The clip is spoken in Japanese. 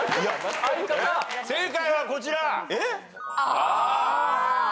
正解はこちら。